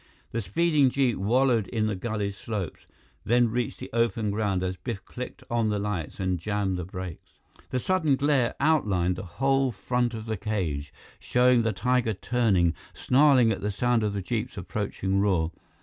The speeding jeep wallowed in the gully's slopes, then reached the open ground as Biff clicked on the lights and jammed the brakes. The sudden glare outlined the whole front of the cage, showing the tiger turning, snarling at the sound of the jeep's approaching roar.